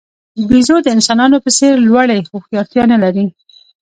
بیزو د انسانانو په څېر لوړې هوښیارتیا نه لري.